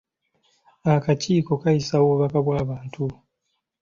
Akakiiko kaayisa obubaka bw'abantu.